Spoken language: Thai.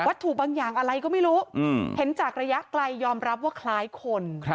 ถูกบางอย่างอะไรก็ไม่รู้เห็นจากระยะไกลยอมรับว่าคล้ายคน